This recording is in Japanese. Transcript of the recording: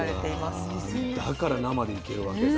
だから生でいけるわけだ。